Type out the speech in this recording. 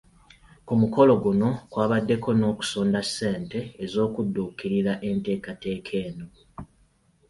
Ku mukolo guno kwabaddeko n’okusonda ssente ez’okudduukirira enteekateeka eno.